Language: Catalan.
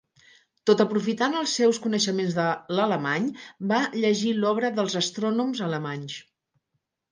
Tot aprofitant els seus coneixements de l'alemany, va llegir l'obra dels astrònoms alemanys.